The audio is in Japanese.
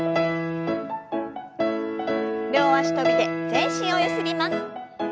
両足跳びで全身をゆすります。